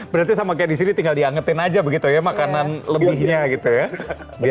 berarti sama kayak di sini tinggal diangetin aja begitu ya makanan lebihnya gitu ya